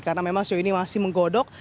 karena memang sejauh ini masih menggodok